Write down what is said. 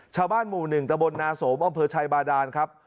ชาวบ้านหมู่๑ตะบนนาสมอำเภอชัยบาดานครับ